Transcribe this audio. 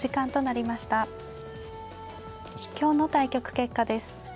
今日の対局結果です。